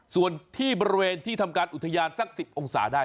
ส่วนที่บริเวณที่ทำการอุทยานสัก๑๐องศาได้